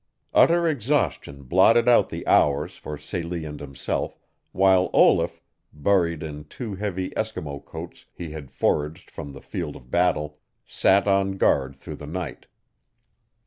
Utter exhaustion blotted out the hours for Celie and himself, while Olaf, buried in two heavy Eskimo coats he had foraged from the field of battle, sat on guard through the night.